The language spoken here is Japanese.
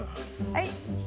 はい！